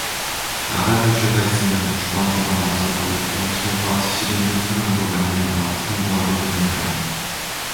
나라는 죄가 있으면 주관자가 많아져도 명철과 지식 있는 사람으로 말미암아 장구하게 되느니라